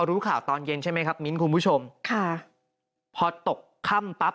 รู้ข่าวตอนเย็นใช่ไหมครับมิ้นคุณผู้ชมค่ะพอตกค่ำปั๊บ